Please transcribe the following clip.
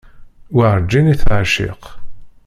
Werǧin i teεciq.